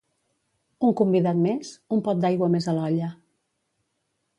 Un convidat més? Un pot d'aigua més a l'olla.